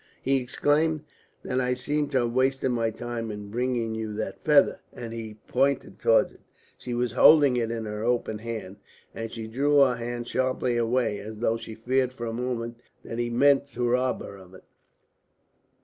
he exclaimed. "Then I seem to have wasted my time in bringing you that feather," and he pointed towards it. She was holding it in her open hand, and she drew her hand sharply away, as though she feared for a moment that he meant to rob her of it.